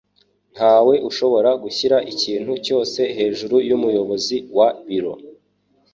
Ntawe ushobora gushyira ikintu cyose hejuru yumuyobozi wa biro.